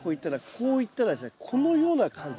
こういきましたらこのような感じ。